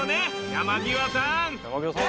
山際さん！